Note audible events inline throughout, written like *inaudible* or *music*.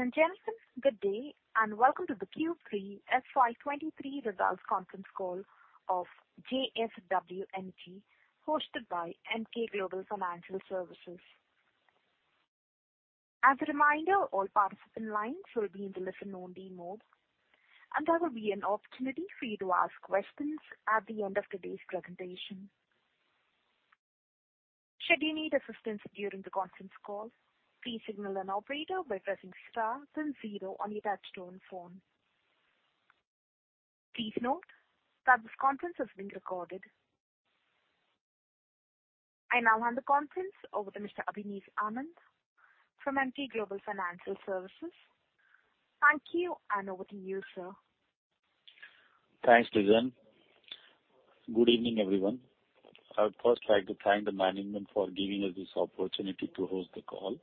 Ladies and gentlemen, good day and welcome to the Q3 FY23 results conference call of JSW Energy, hosted by Emkay Global Financial Services. As a reminder, all participant lines will be in the listen-only mode, and there will be an opportunity for you to ask questions at the end of today's presentation. Should you need assistance during the conference call, please signal an operator by pressing star then zero on your touch-tone phone. Please note that this conference is being recorded. I now hand the conference over to Mr. Abhineet Anand from Emkay Global Financial Services. Thank you, and over to you, sir. Thanks, Lizann. Good evening, everyone. I would first like to thank the management for giving us this opportunity to host the call.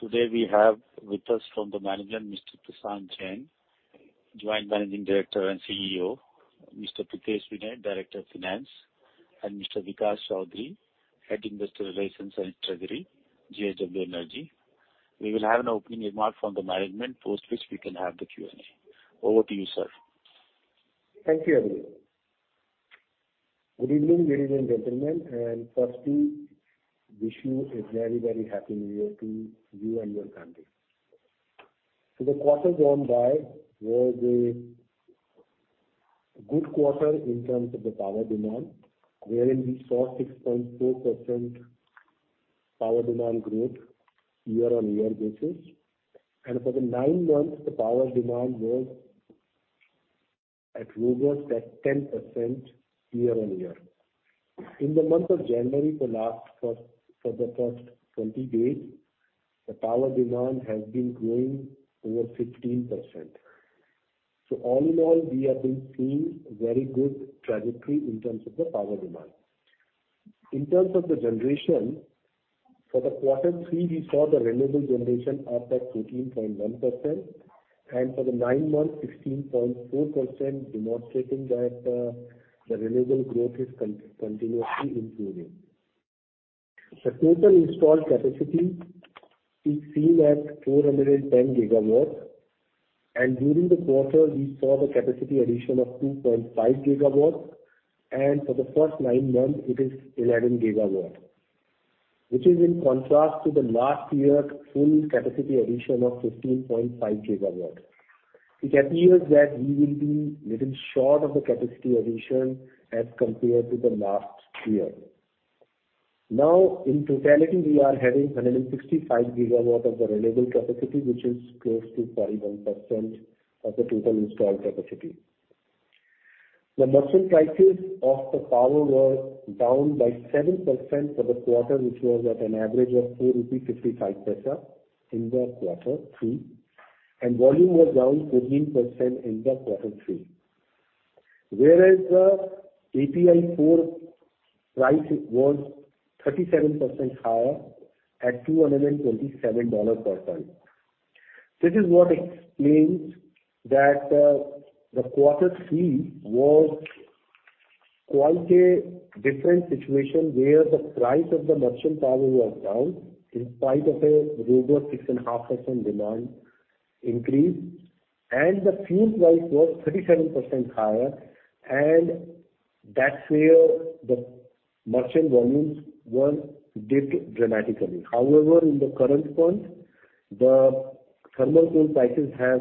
Today we have with us from the management Mr. Prashant Jain, Joint Managing Director and CEO, Mr. Pritesh Vinay, Director of Finance, and Mr. Bikash Chowdhury, Head Investor Relations and Treasury, JSW Energy. We will have an opening remark from the management, post which we can have the Q&A. Over to you, sir. Thank you, Abhineet. Good evening, ladies and gentlemen, firstly wish you a very, very happy New Year to you and your family. The quarter gone by was a good quarter in terms of the power demand, wherein we saw 6.4% power demand growth year-on-year basis. For the nine months, the power demand was at robust at 10% year-on-year. In the month of January for the first 20 days, the power demand has been growing over 15%. All in all, we have been seeing very good trajectory in terms of the power demand. In terms of the generation, for the Q3, we saw the renewable generation up at 13.1%. For the nine months, 16.4%, demonstrating that the renewable growth is continuously improving. The total installed capacity is seen at 410 GW. During the quarter, we saw the capacity addition of 2.5 GW. For the first nine months, it is 11 GW, which is in contrast to the last year full capacity addition of 15.5 GW. It appears that we will be little short of the capacity addition as compared to the last year. In totality, we are having 165 GW of the renewable capacity, which is close to 41% of the total installed capacity. The merchant prices of the power were down by 7% for the quarter, which was at an average of 4.55 rupees in the Q3, and volume was down 14% in the Q3. API 4 price was 37% higher at $227 per ton. This is what explains that, the quarter three was quite a different situation, where the price of the merchant power was down in spite of a robust 6.5% demand increase. The fuel price was 37% higher, and that's where the merchant volumes were dipped dramatically. However, in the current point, the thermal coal prices have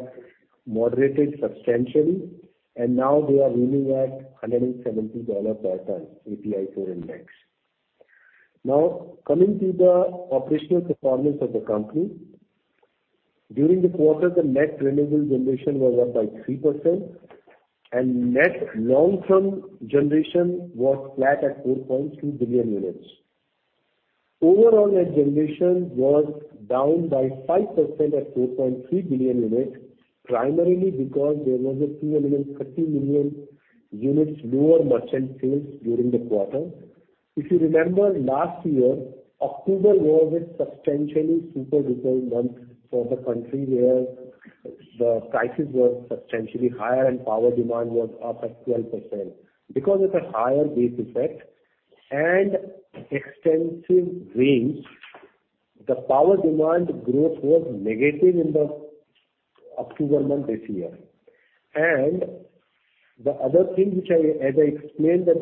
moderated substantially, and now they are looming at a $170 per ton API 4 index. Coming to the operational performance of the company. During the quarter, the net renewable generation was up by 3% and net long-term generation was flat at 4.2 billion units. Overall, net generation was down by 5% at 4.3 billion units, primarily because there was a 230 million units lower merchant sales during the quarter. If you remember last year, October was a substantially super duper month for the country, where the prices were substantially higher and power demand was up at 12%. Because of the higher base effect and extensive rains, the power demand growth was negative in the October month this year. The other thing which as I explained that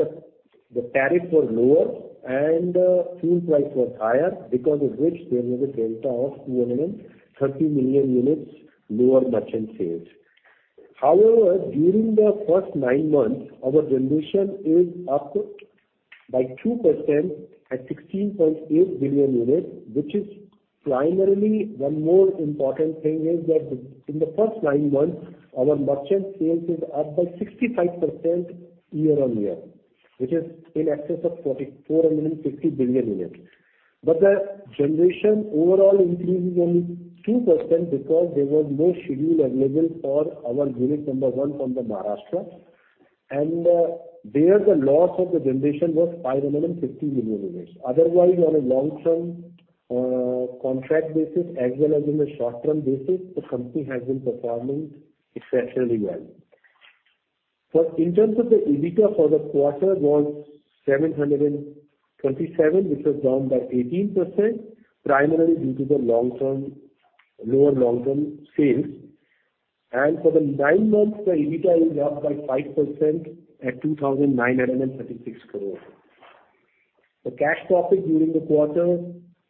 the tariff was lower and the fuel price was higher, because of which there was a delta of 230 million units lower merchant sales. During the first nine months, our generation is up by 2% at 16.8 billion units, which is primarily one more important thing is that in the first nine months, our merchant sales is up by 65% year-on-year, which is in excess of 4,460 billion units. The generation overall increase is only 2% because there was no schedule available for our unit number one from the Maharashtra. There the loss of the generation was 550 million units. Otherwise, on a long-term contract basis as well as in the short-term basis, the company has been performing exceptionally well. In terms of the EBITDA for the quarter was 727, which was down by 18% primarily due to the lower long term sales. For the nine months, the EBITDA is down by 5% at 2,936 crores. The cash profit during the quarter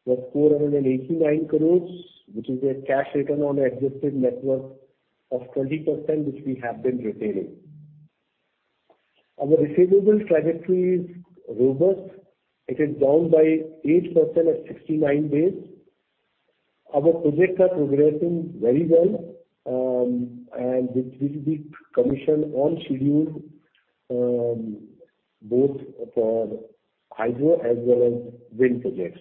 was 489 crores, which is a cash return on adjusted network of 20%, which we have been retaining. Our receivable trajectory is robust. It is down by 8% at 69 days. Our projects are progressing very well, and which will be commissioned on schedule, both for hydro as well as wind projects.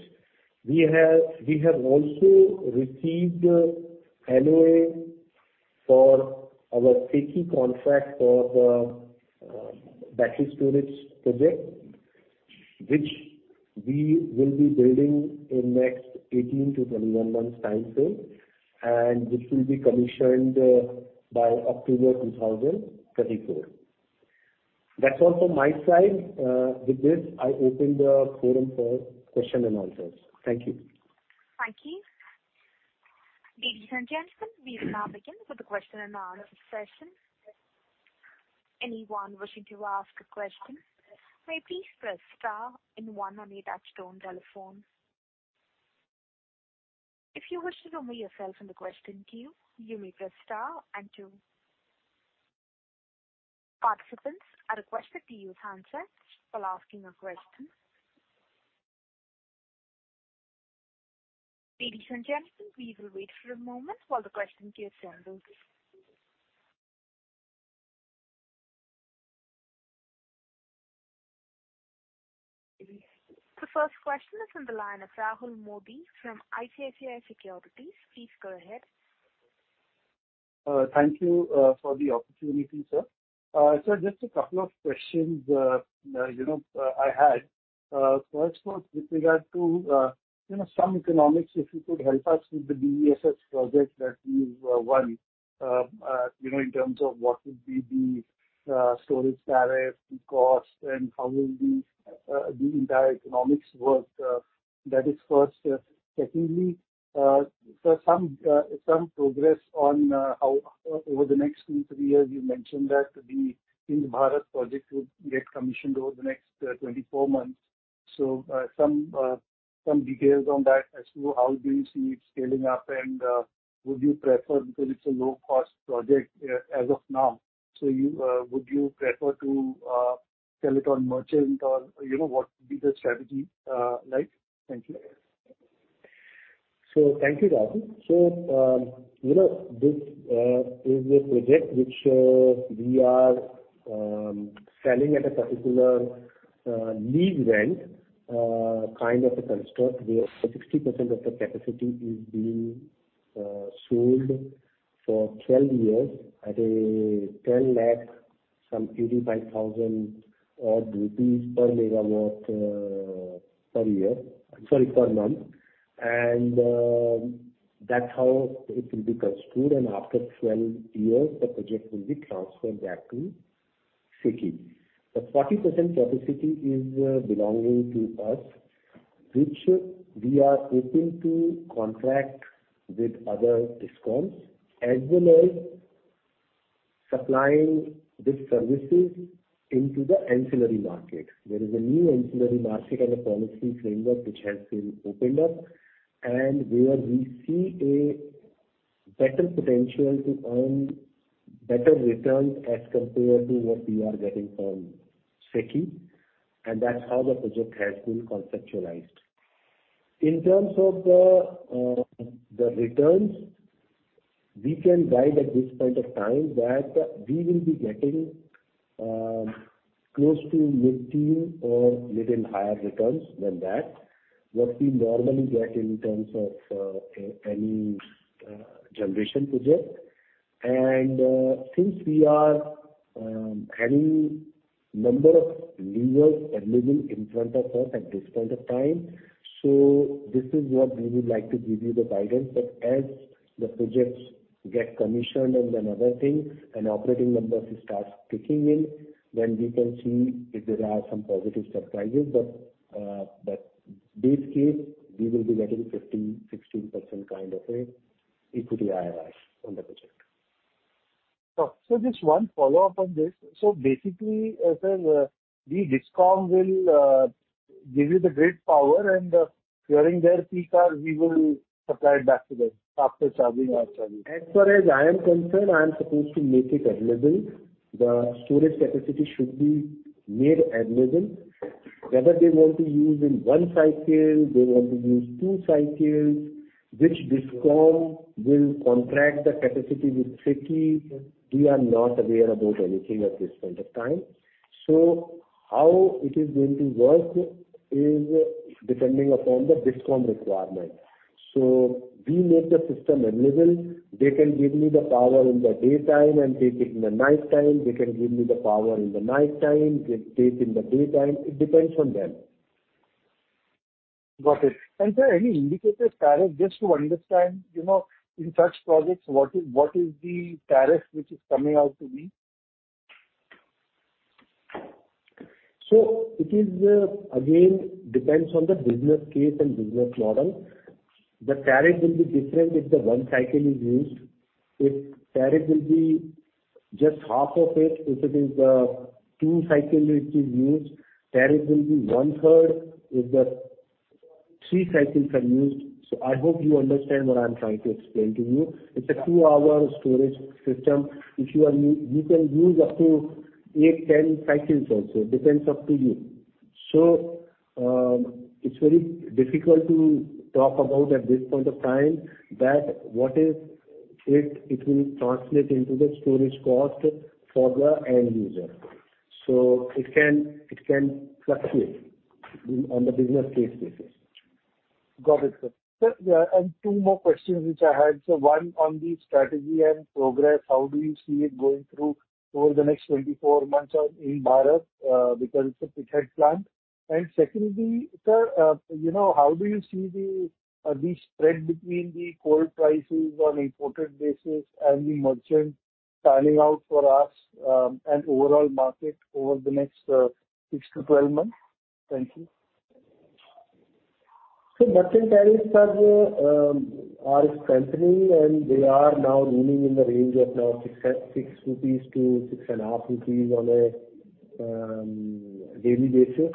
We have also received LOA for our SECI contract for the battery storage project, which we will be building in next 18-21 months timeframe and which will be commissioned by October 2034. That's all from my side. With this, I open the forum for question and answers. Thank you. Thank you. Ladies and gentlemen, we now begin with the question and answer session. Anyone wishing to ask a question may please press star and one on your touchtone telephone. If you wish to remove yourself from the question queue, you may press star and two. Participants are requested to use handsets while asking a question. Ladies and gentlemen, we will wait for a moment while the question queue settles. The first question is on the line of Rahul Modi from ICICI Securities. Please go ahead. Thank you for the opportunity, sir. Just a couple of questions, you know, I had. First was with regard to, you know, some economics. If you could help us with the BESS project that you've won, you know, in terms of what would be the storage tariff, the cost and how will the entire economics work. That is first. Secondly, some progress on how over the next two, three years you mentioned that the Ind-Barath project would get commissioned over the next 24 months. Some details on that as to how do you see it scaling up and would you prefer because it's a low-cost project as of now. You would you prefer to sell it on merchant or you know, what would be the strategy like? Thank you. Thank you, Rahul. You know, this is a project which we are selling at a particular lease rent kind of a construct where 60% of the capacity is being sold for 12 years at 1,085,000 rupees per megawatt per year. Sorry, per month. That's how it will be construed. After 12 years, the project will be transferred back to SECI. The 40% capacity is belonging to us, which we are hoping to contract with other DISCOMs as well as supplying these services into the ancillary market. There is a new ancillary market and a policy framework which has been opened up and where we see a better potential to earn better returns as compared to what we are getting from SECI, and that's how the project has been conceptualized. In terms of the returns, we can guide at this point of time that we will be getting close to mid-teen or little higher returns than that what we normally get in terms of any generation project. Since we are having number of levers available in front of us at this point of time. This is what we would like to give you the guidance. As the projects get commissioned and then other things and operating numbers starts kicking in, then we can see if there are some positive surprises. Base case we will be getting 15%-16% kind of a Equity IRR on the project. Just one follow-up on this. Basically, sir, the DISCOM will give you the grid power and during their peak hours we will supply it back to them after charging and discharging. As far as I am concerned, I am supposed to make it available. The storage capacity should be made available. Whether they want to use in one cycle, they want to use two cycles, which DISCOM will contract the capacity with SECI, we are not aware about anything at this point of time. How it is going to work is depending upon the DISCOM requirement. We make the system available. They can give me the power in the daytime and take it in the night time. They can give me the power in the night time, get take in the daytime. It depends on them. Got it. sir, any indicative tariff just to understand, you know, in such projects, what is the tariff which is coming out to be? It is again, depends on the business case and business model. The tariff will be different if the one cycle is used. If tariff will be just half of it, if it is two cycle which is used, tariff will be 1/3 if the three cycles are used. I hope you understand what I'm trying to explain to you. It's a two-hour storage system. If you are you can use up to eight, 10 cycles also, depends up to you. It's very difficult to talk about at this point of time that what is it will translate into the storage cost for the end user. It can fluctuate on the business case basis. Got it, sir. Sir, two more questions which I had, so one on the strategy and progress. How do you see it going through over the next 24 months or in Bharat, because it's a pit head plant. Secondly, sir, you know, how do you see the spread between the coal prices on imported basis and the merchant panning out for us, and overall market over the next six-12 months? Thank you. Merchant tariffs are strengthening, and they are now leaning in the range of 6-6.5 rupees on a daily basis.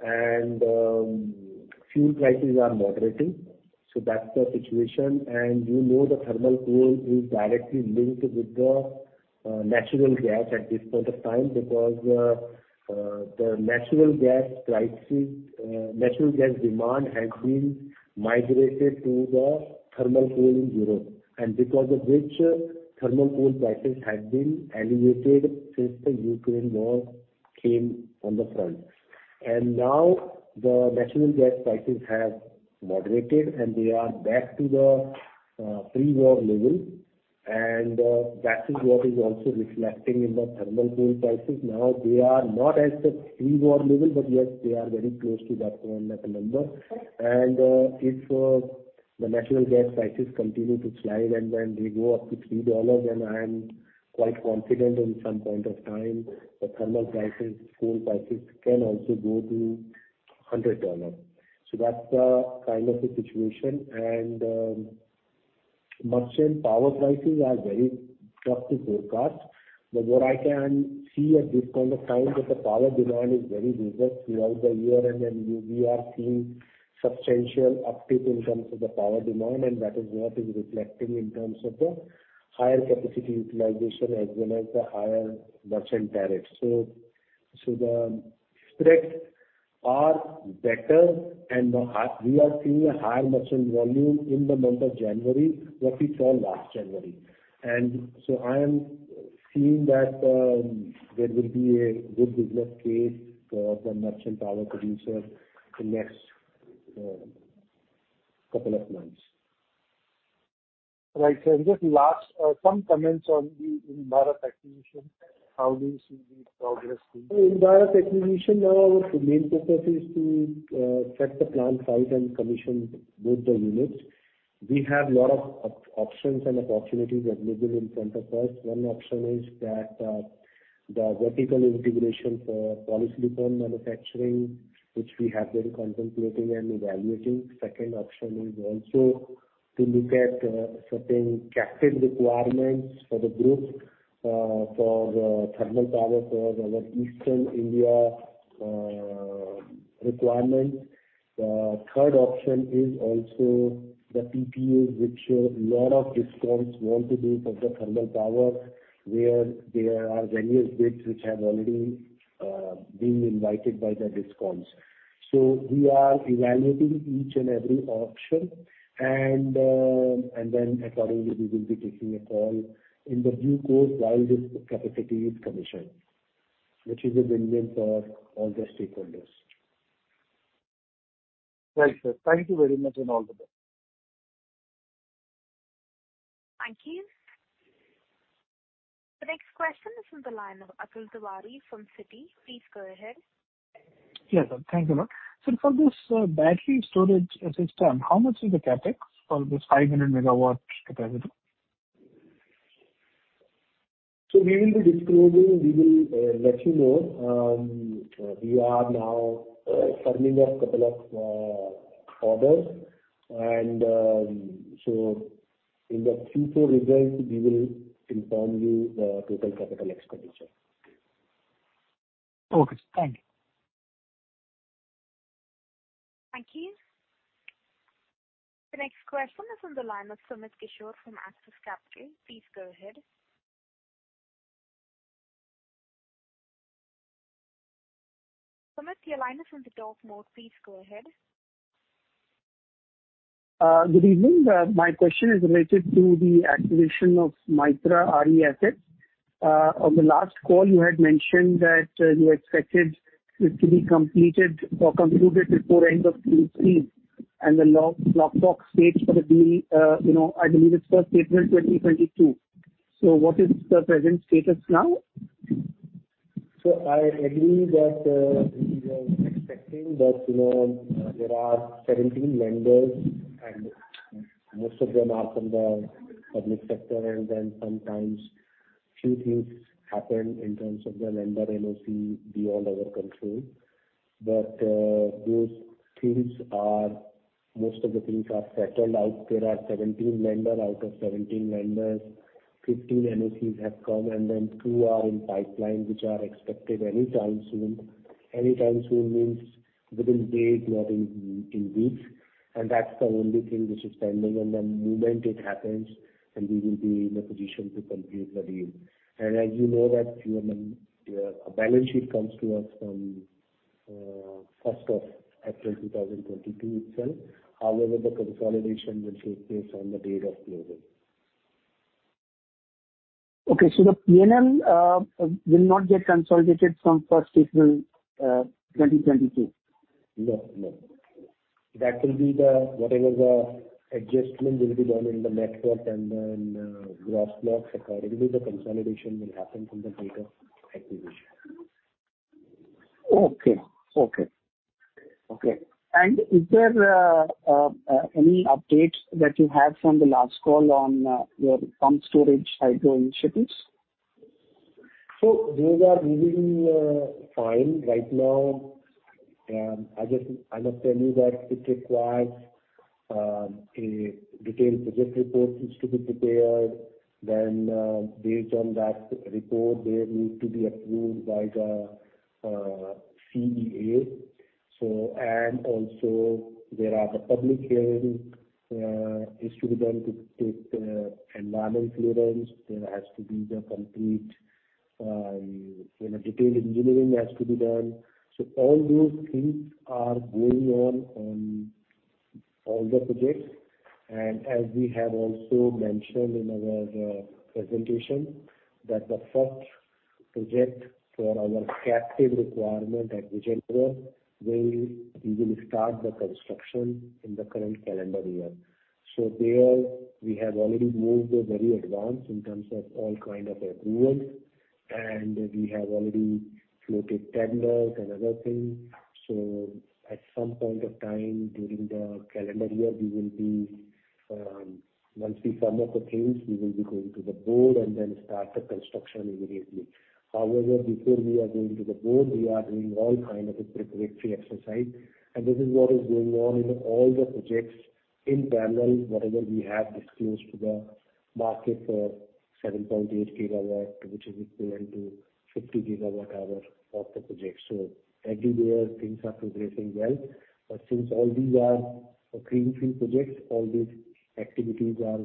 Fuel prices are moderating. That's the situation. You know the thermal coal is directly linked with the natural gas at this point of time because the natural gas prices, natural gas demand has been migrated to the thermal coal in Europe. Because of which thermal coal prices had been elevated since the Ukraine war came on the front. Now the natural gas prices have moderated, and they are back to the pre-war level. That is what is also reflecting in the thermal coal prices. Now, they are not as the pre-war level, but yet they are very close to that point at the number. If the natural gas prices continue to slide and then they go up to $3, I am quite confident on some point of time, the thermal prices, coal prices can also go to $100. That's the kind of a situation and merchant power prices are very tough to forecast. What I can see at this point of time that the power demand is very robust throughout the year, and then we are seeing substantial uptick in terms of the power demand, and that is what is reflecting in terms of the higher capacity utilization as well as the higher merchant tariffs. The spreads are better and we are seeing a higher merchant volume in the month of January, what we saw last January. I am seeing that there will be a good business case for merchant power producer the next couple of months. Right. Just last, some comments on the Barath acquisition. How do you see the progress being? Barath acquisition, our main purpose is to set the plant site and commission both the units. We have lot of options and opportunities available in front of us. One option is that the vertical integration for polysilicon manufacturing, which we have been contemplating and evaluating. Second option is also to look at certain captive requirements for the group for the thermal power for our Eastern India requirement. Third option is also the PPAs which lot of DISCOMs want to do for the thermal power, where there are various bids which have already been invited by the DISCOMs. We are evaluating each and every option, then accordingly we will be taking a call in the due course while this capacity is commissioned, which is a win-win for all the stakeholders. Right, sir. Thank you very much and all the best. Thank you. The next question is from the line of Atul Tiwari from Citi. Please go ahead. Yes, ma'am. Thank you a lot. For this battery storage system, how much is the CapEx for this 500 megawatt capacity? We will be disclosing. We will let you know. We are now firming up couple of orders. In the Q4 results, we will inform you the total CapEx. Okay, sir. Thank you. Thank you. The next question is on the line of Sumit Kishore from Axis Capital. Please go ahead. Sumit, your line is on the talk mode. Please go ahead. Good evening. My question is related to the acquisition of Mytrah RE assets. On the last call you had mentioned that you expected it to be completed or concluded before end of Q3 and the Lock-box date for the deal, you know, I believe it's first April 2022. What is the present status now? I agree that, we were expecting that, you know, there are 17 lenders and most of them are from the public sector. Sometimes few things happen in terms of the lender NOC beyond our control. Those things are most of the things are settled out. There are 17 lender. Out of 17 lenders, 15 NOCs have come, two are in pipeline, which are expected any time soon. Any time soon means within days, not in weeks. That's the only thing which is pending. The moment it happens, we will be in a position to complete the deal. As you know that *audio distortion* balance sheet comes to us from 1st April 2022 itself. However, the consolidation will take place on the date of closing. The P&L will not get consolidated from 1st April 2022? No, no. That will be whatever the adjustment will be done in the network and then gross blocks accordingly, the consolidation will happen from the date of acquisition. Okay. Is there any update that you have from the last call on your pump storage hydro initiatives? Those are moving fine right now. I must tell you that it requires a detailed project report is to be prepared. Based on that report, they need to be approved by the CEA. Also there are the public hearing is to be done to take environment clearance. There has to be the complete, you know, detailed engineering has to be done. All those things are going on on all the projects. As we have also mentioned in our presentation that the first project for our captive requirement at Vijayanagar will usually start the construction in the current calendar year. There we have already moved very advanced in terms of all kind of approval, and we have already floated tenders and other things. At some point of time during the calendar year, we will be, once we sum up the things, we will be going to the board and then start the construction immediately. However, before we are going to the board, we are doing all kind of a preparatory exercise, and this is what is going on in all the projects in parallel, whatever we have disclosed to the market for 7.8 GW, which is equivalent to 50 GWh of the project. Everywhere things are progressing well. Since all these are greenfield projects, all these activities are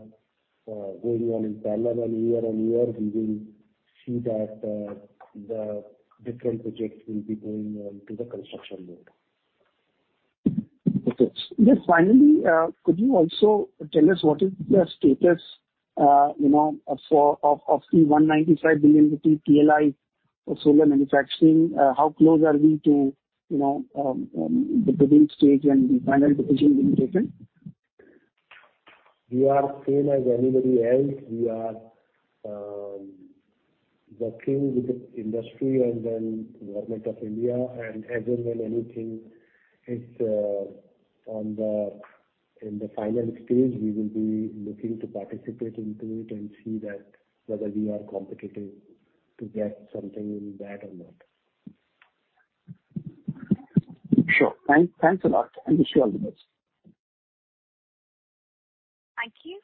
going on in parallel. Year-on-year, we will see that the different projects will be going on to the construction mode. Okay. Just finally, could you also tell us what is the status, you know, of the 195 billion rupee with the PLI solar manufacturing? How close are we to, you know, the bidding stage and the final decision being taken? We are same as anybody else. We are working with the industry and then Government of India. As and when anything is in the final stage, we will be looking to participate into it and see that whether we are competitive to get something in that or not. Sure. Thanks a lot, and wish you all the best. Thank you.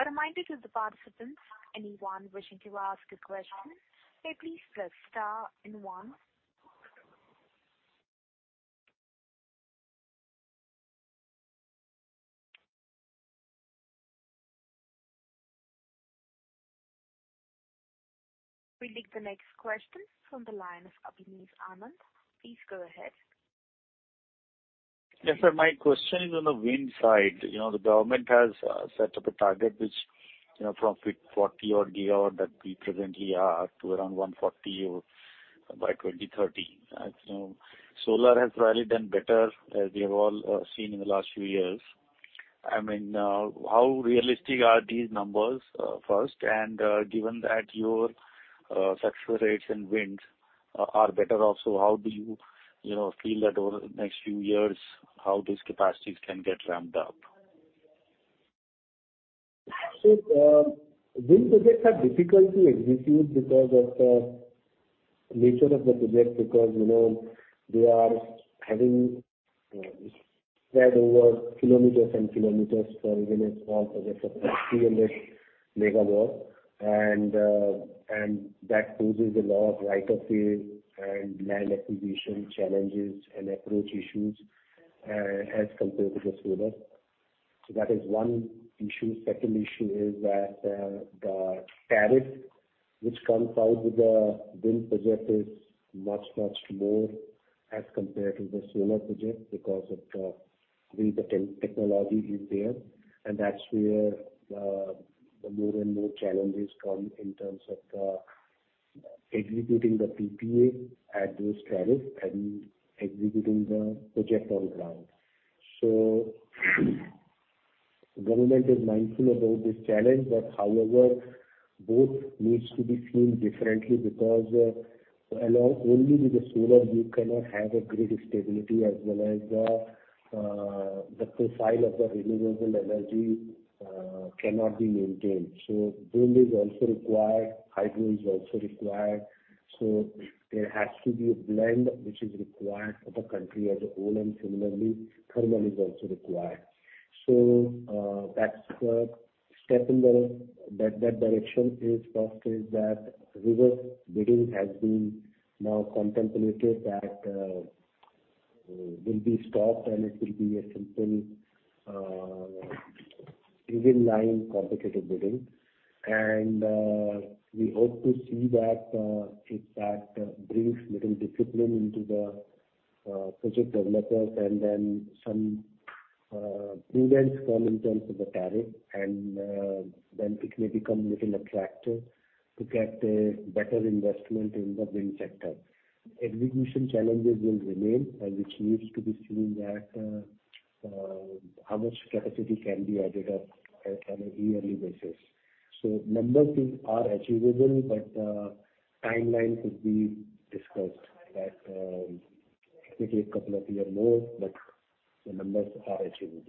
A reminder to the participants, anyone wishing to ask a question, please press star and one. We'll take the next question from the line of Abhineet Anand. Please go ahead. Yes, sir. My question is on the wind side. You know, the government has set up a target which, you know, from 40 GW that we presently are to around 140 or by 2030. As you know, solar has probably done better, as we have all seen in the last few years. I mean, how realistic are these numbers, first? Given that your capture rates in wind are better also, how do you know, feel that over the next few years, how these capacities can get ramped up? These projects are difficult to execute because of the nature of the project, because, you know, they are having, you know, spread over kilometers and kilometers for even a small project of 300 MW. That poses a lot of right of way and land acquisition challenges and approach issues as compared to the solar. That is one issue. Second issue is that the tariff which comes out with the wind project is much more as compared to the solar project because of the way the technology is there. That's where the more and more challenges come in terms of executing the PPA at those tariff and executing the project on ground. Government is mindful about this challenge. However, both needs to be seen differently because only with the solar you cannot have a grid stability as well as the profile of the renewable energy cannot be maintained. Wind is also required, hydro is also required. There has to be a blend which is required for the country as a whole, and similarly, thermal is also required. That's a step in the direction is positive that reverse bidding has been now contemplated that will be stopped and it will be a simple even line competitive bidding. We hope to see that if that brings little discipline into the project developers and then some prudence come in terms of the tariff and then it may become little attractive to get a better investment in the wind sector. Execution challenges will remain. Which needs to be seen that how much capacity can be added up at, on a yearly basis. Numbers are achievable. Timeline could be discussed that maybe a couple of year more. The numbers are achievable.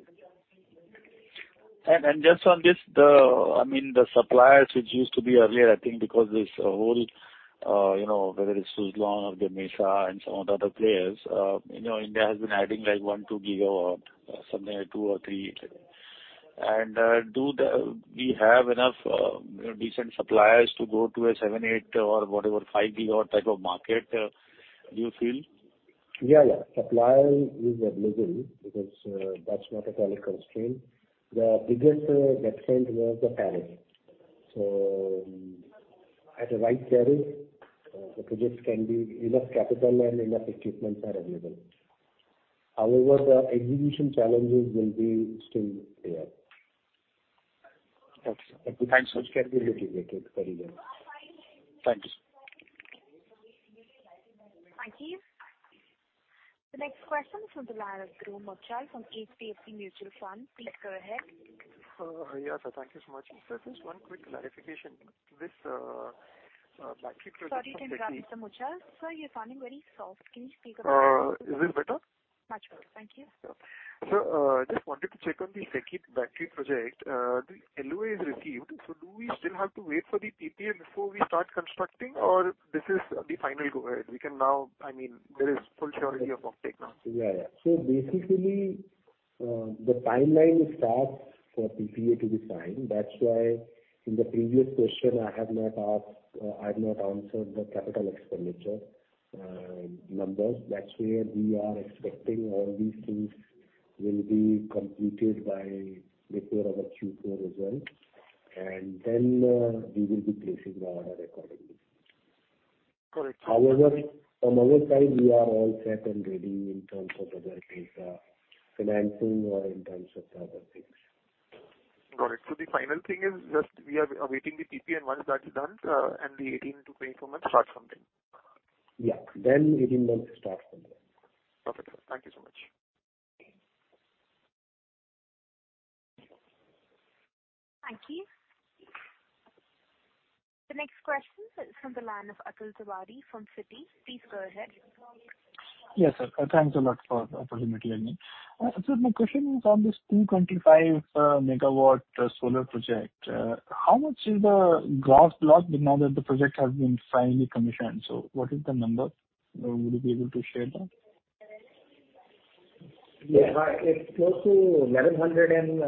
Just on this, I mean, the suppliers which used to be earlier, I think because this whole, you know, whether it's Suzlon or Gamesa and some of the other players, you know, India has been adding like 1 GW-2 GW, something like 2 GW or 3 GW. We have enough decent suppliers to go to a 7 GW, 8 GW or whatever, 5 GW type of market, do you feel? Yeah, yeah. Supplier is available because, that's not at all a constraint. The biggest constraint was the tariff. At the right tariff, the projects can be enough capital and enough equipments are available. However, the execution challenges will be still there. Okay. Thank you, sir. Which can be mitigated very well. Thanks. Thank you. The next question is from the line of Dhruv Muchhal from HDFC Mutual Fund. Please go ahead. Yeah. Thank you so much. Sir, just one quick clarification. This battery project. Sorry, can you raise, sir Muchhal. Sir, you're sounding very soft. Can you speak a bit loud? Is this better? Much better. Thank you. Sure. Sir, just wanted to check on the SECI battery project. The LOA is received. Do we still have to wait for the PPA before we start constructing or this is the final go ahead? I mean, there is full surety of offtake now. Yeah, yeah. Basically, the timeline starts for PPA to be signed. That's why in the previous question I have not asked, I have not answered the capital expenditure, numbers. That's where we are expecting all these things will be completed by the quarter of our Q4 result. Then, we will be placing the order accordingly. Correct. From our side we are all set and ready in terms of other things, financing or in terms of the other things. Got it. The final thing is just we are awaiting the PPA once that is done, the 18 to 24 months start from then. Yeah. 18 months start from there. Perfect. Thank you so much. Thank you. The next question is from the line of Atul Tiwari from Citi. Please go ahead. Yes, sir. Thanks a lot for the opportunity again. My question is on this 225 megawatt solar project. How much is the gross profit now that the project has been finally commissioned? What is the number? Would you be able to share that? Yeah. It's close to INR 1,100 and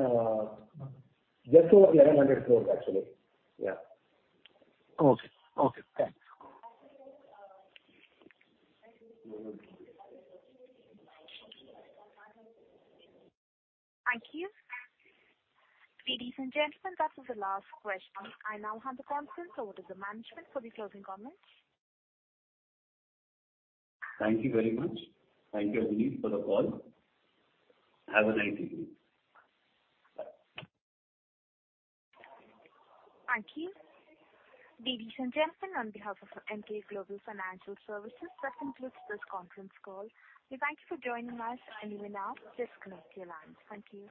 just over 1,100 crores actually. Yeah. Okay. Okay, thanks. Thank you. Ladies and gentlemen, that was the last question. I now hand the conference over to the management for the closing comments. Thank you very much. Thank you, Abhineet, for the call. Have a nice evening. Bye. Thank you. Ladies and gentlemen, on behalf of Emkay Global Financial Services, that concludes this conference call. We thank you for joining us and you may now disconnect your lines. Thank you.